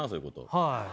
はい。